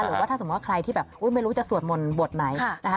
หรือว่าถ้าสมมุติว่าใครที่แบบไม่รู้จะสวดมนต์บทไหนนะคะ